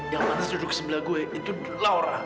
yang patah duduk sebelah gue itu laura